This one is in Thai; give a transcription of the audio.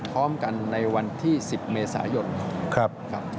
พร้อมกันในวันที่๑๐เมษายนครับ